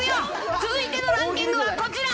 続いてのランキングはこちら。